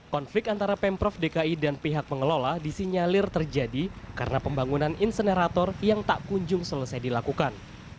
konflik antara pemprov dki dan pihak pengelola disinyalir terjadi karena pembangunan insenerator yang tak kunjung selesai dilakukan